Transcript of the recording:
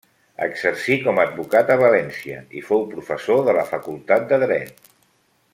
Exercí com advocat a València i fou professor de la Facultat de Dret.